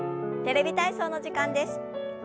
「テレビ体操」の時間です。